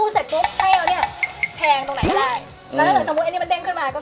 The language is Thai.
แล้วสมมุตินี่มันเต็มขึ้นมาก็แพง